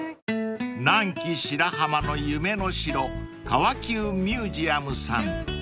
［南紀白浜の夢の城川久ミュージアムさん］